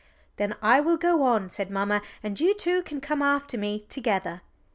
"Then I will go on," said mamma, "and you two can come after me together."